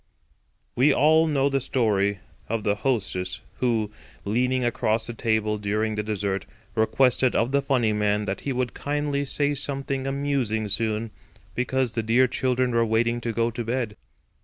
We all know the story of the hostess who, leaning across the table during the dessert, requested of the funny man that he would kindly say something amusing soon, because the dear children were waiting to go to bed.